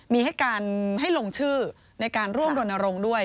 มีให้การให้ลงชื่อในการร่วมด่วนอารมณ์ด้วย